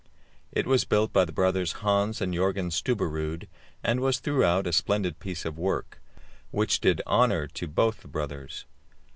It was built by the brothers Hans and Jörgen Stubberud, and was throughout a splendid piece of work, which did honour to both the brothers.